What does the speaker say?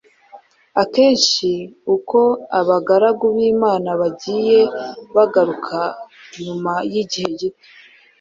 akenshi uko abagaragu b’Imana bagiye bagaruka nyuma y’igihe gito